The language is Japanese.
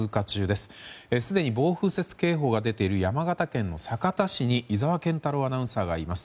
すでに暴風雪警報が出ている山形県の酒田市に井澤健太朗アナウンサーがいます。